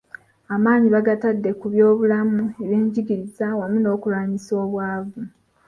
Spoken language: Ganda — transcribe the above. Amaanyi bagatadde ku by'obulamu, ebyenjigiriza wamu n'okulwanyisa obwavu.